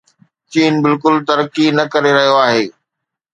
چين بلڪل ترقي نه ڪري رهيو آهي.